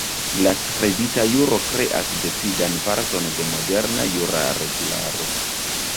La skribita juro kreas decidan parton de moderna jura regularo.